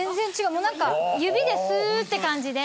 もうなんか指でスーッて感じで。